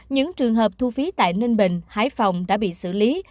những trường hợp thu phí tại ninh bình hải phòng đã bị xử lý